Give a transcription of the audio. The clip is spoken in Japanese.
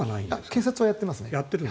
警察はやっています。